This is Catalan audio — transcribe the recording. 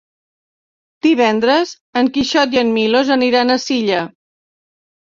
Divendres en Quixot i en Milos aniran a Silla.